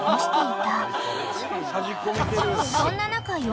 ［そんな中４